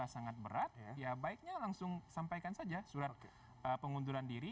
sangat berat ya baiknya langsung sampaikan saja surat pengunduran diri